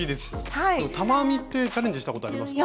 玉編みってチャレンジしたことありますか？